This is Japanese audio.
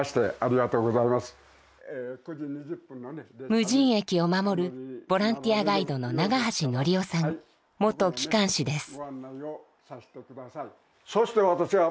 無人駅を守るボランティアガイドの元機関士です。